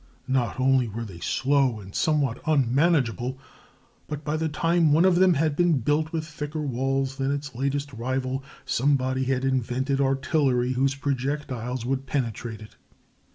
Not only were they slow and somewhat unmanageable, but by the time one of them had been built with thicker walls than its latest rival, somebody had invented artillery whose projectiles would penetrate it.